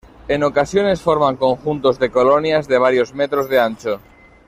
En ocasiones forman conjuntos de colonias de varios metros de ancho.